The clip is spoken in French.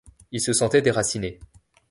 Il se sentait déraciné.